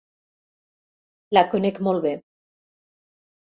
La conec molt bé.